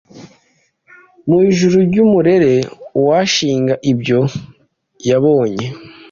mu ijuru ry’umurere. uwashinga ibyo yabonye